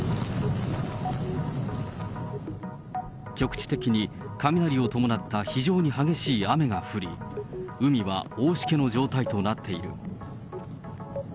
局地的に雷を伴った非常に激しい雨が降り、海は大しけの状態となっている。